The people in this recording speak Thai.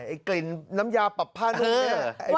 ไอ้กลิ่นน้ำยาปรับผ้าลูกแม่